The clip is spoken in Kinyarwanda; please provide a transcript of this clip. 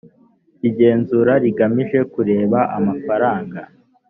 k igenzura rigamije kureba amafaranga